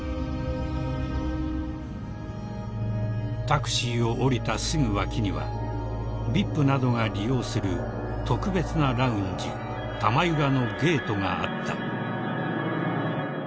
［タクシーを降りたすぐ脇にはＶＩＰなどが利用する特別なラウンジ玉響のゲートがあった］